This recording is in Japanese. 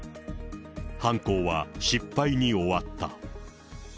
犯行は失敗に終わった。